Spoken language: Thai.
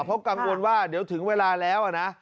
เพราะกังวลว่าเดี๋ยวถึงเวลาแล้วนะ